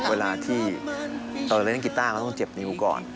เวลาที่ตอนเล่นกีตาร์มันต้องเจ็บนิ้วก่อน